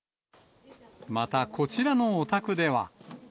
またこちらのお宅では。